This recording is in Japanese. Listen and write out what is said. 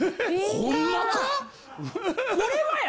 ほんまか？